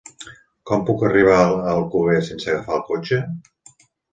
Com puc arribar a Alcover sense agafar el cotxe?